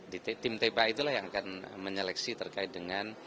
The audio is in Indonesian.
di tim tpa itulah yang akan menyeleksi terkait dengan